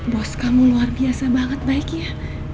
bos kamu luar biasa banget baiknya